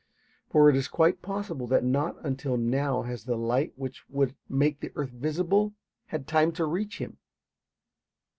For it is quite possible that not until now has the light which would make the earth visible had time to reach him.